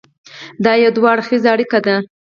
دا یو دوه اړخیزه اړیکه ده.